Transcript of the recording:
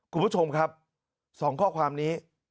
คุณผู้ชมครับ๒ข้อความนี้